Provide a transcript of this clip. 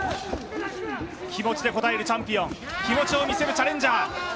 気持ちで応えるチャンピオン、気持ちを見せるチャレンジャー。